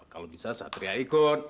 kalau bisa satria ikut